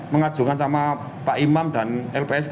mengajukan sama pak imam dan lpsk